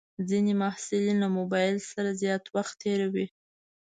ځینې محصلین له موبایل سره زیات وخت تېروي.